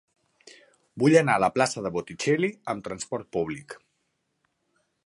Vull anar a la plaça de Botticelli amb trasport públic.